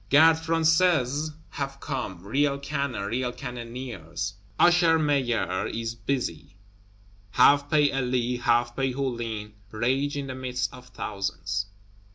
Gardes Françaises have come; real cannon, real cannoneers. Usher Maillard is busy; half pay Elie, half pay Hulin, rage in the midst of thousands.